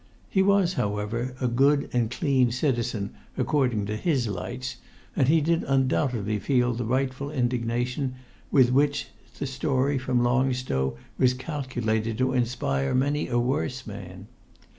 He was, however, a good and clean citizen according to his lights, and he did undoubtedly feel the rightful indignation with which the story from Long Stow was calculated to inspire many a worse man.